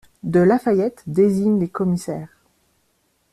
De La Fayette désigne les commissaires!